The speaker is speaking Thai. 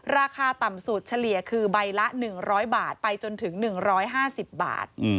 ราคาต่ำสุดเฉลี่ยคือใบละ๑๐๐บาทไปจนถึง๑๕๐บาท